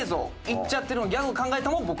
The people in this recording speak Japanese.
「イッちゃってる！」のギャグを考えたのも僕。